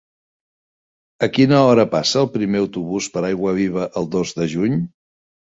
A quina hora passa el primer autobús per Aiguaviva el dos de juny?